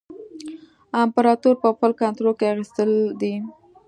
امپراطور په خپل کنټرول کې اخیستی دی.